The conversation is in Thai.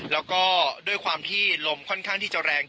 แล้วก็ด้วยความที่ลมค่อนข้างที่จะแรง